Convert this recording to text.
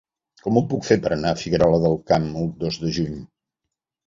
Com ho puc fer per anar a Figuerola del Camp el dos de juny?